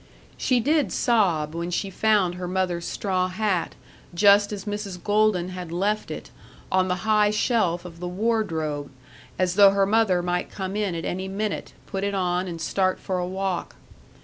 She did sob when she found her mother's straw hat, just as Mrs. Golden had left it, on the high shelf of the wardrobe as though her mother might come in at any minute, put it on, and start for a walk.